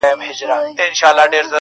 معلوميږي چي موسم رانه خفه دی,